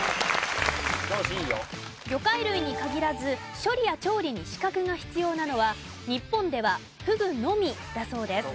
魚介類に限らず処理や調理に資格が必要なのは日本ではふぐのみだそうです。